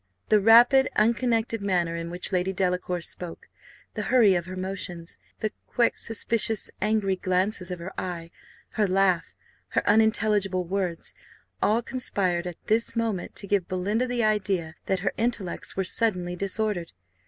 The rapid, unconnected manner in which Lady Delacour spoke, the hurry of her motions, the quick, suspicious, angry glances of her eye, her laugh, her unintelligible words, all conspired at this moment to give Belinda the idea that her intellects were suddenly disordered.